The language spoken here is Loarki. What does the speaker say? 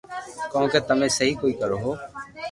ڪويڪھ تمي سھي ڪوئي ڪرو ھون